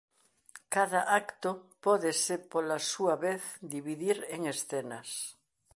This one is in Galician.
Cada acto pódese pola súa vez dividir en escenas.